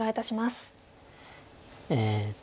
えっと